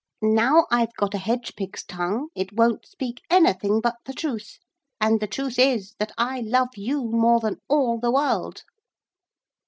Now I've got a hedge pig's tongue it won't speak anything but the truth. And the truth is that I love you more than all the world.'